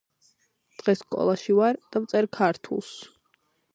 დღეს სკოლაში ვარ და ვწერ ქართულს